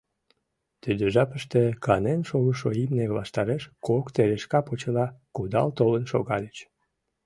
Тиде жапыште канен шогышо имне ваштареш кок терешке почела кудал толын шогальыч.